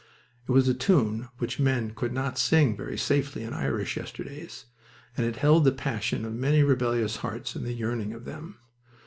It was a tune which men could not sing very safely in Irish yesterdays, and it held the passion of many rebellious hearts and the yearning of them.